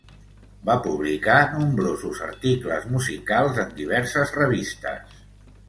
Va publicar nombrosos articles musicals en diverses revistes.